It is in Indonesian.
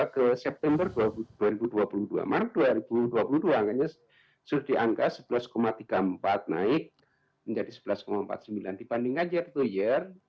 ke september dua ribu dua puluh dua maret dua ribu dua puluh dua angkanya sudah di angka sebelas tiga puluh empat naik menjadi sebelas empat puluh sembilan dibandingkan year to year